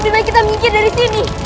lebih baik kita minggir dari sini